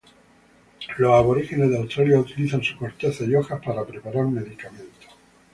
Los aborígenes de Australia utilizan su corteza y hojas para preparar medicamentos.